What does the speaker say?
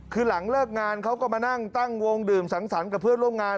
คือหลังเลิกงานเขาก็มานั่งตั้งวงดื่มสังสรรค์กับเพื่อนร่วมงาน